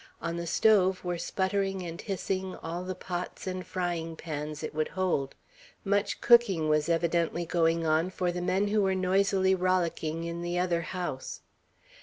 On the stove were sputtering and hissing all the pots and frying pans it would hold. Much cooking was evidently going on for the men who were noisily rollicking in the other house.